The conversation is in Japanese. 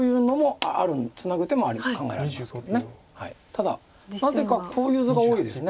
ただなぜかこういう図が多いです。